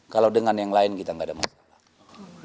kalau dengan yang lain kita nggak ada masalah